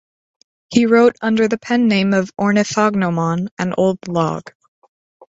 He wrote under the pen-name of "Ornithognomon" and "Old Log".